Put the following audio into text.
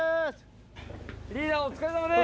リーダーお疲れさまです。